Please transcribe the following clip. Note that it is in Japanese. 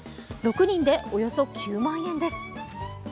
６人でおよそ９万円です。